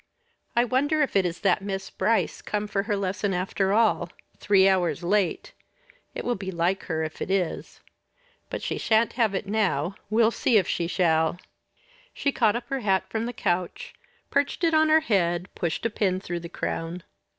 I wonder if it is that Miss Brice come for her lesson after all three hours late. It will be like her if it is but she sha'n't have it now. We'll see if she shall." She caught up her hat from the couch, perched it on her head, pushed a pin through the crown.